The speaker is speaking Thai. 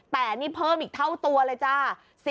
แต่นี่เพิ่มอีกเท่าตัวเลยจ้า